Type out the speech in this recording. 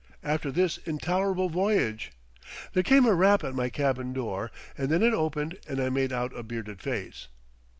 After this intolerable voyage! There came a rap at my cabin door and then it opened and I made out a bearded face.